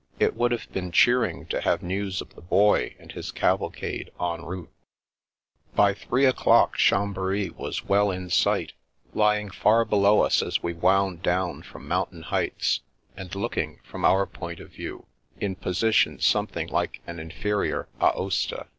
It would have been cheering to have news of the Boy and his cavalcade en route. 3IO The Princess Passes By three o'clock Chambery was well in sight, lying far below us as we wound down f r<xn moun tain heights, and looking, from our point of view, in position something like an inferior Aosta.